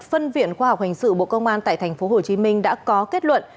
phân viện khoa học hành sự bộ công an tại tp hcm đã có kết luận